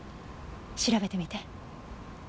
調べてみて。